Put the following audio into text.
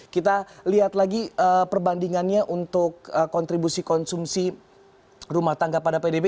kita lihat lagi perbandingannya untuk kontribusi konsumsi rumah tangga pada pdb